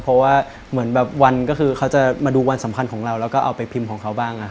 เพราะว่าเขาจะมาดูวันสำคัญของเราแล้วก็เอาไปพิมพ์ของเขาบ้าง